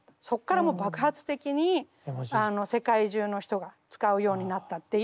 そこから爆発的に世界中の人が使うようになったっていう。